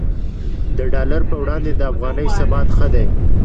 د ډالر پر وړاندې د افغانۍ ثبات ښه دی